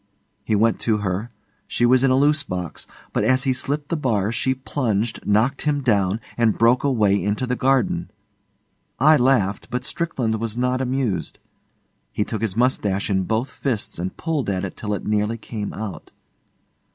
He went to her; she was in a loose box; but as he slipped the bars she plunged, knocked him down, and broke away into the garden. I laughed, but Strickland was not amused. He took his moustache in both fists and pulled at it till it nearly came out.